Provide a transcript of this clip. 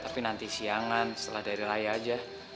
tapi nanti siangan setelah dari raya aja